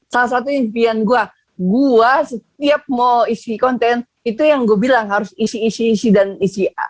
salah satu impian gua gua setiap mau isi konten itu yang gua bilang harus isi isi dan isi